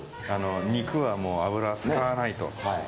肉は油は使わないと。